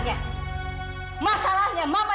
bekas luka bakar